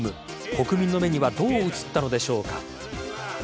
国民の目にはどう映ったのでしょうか。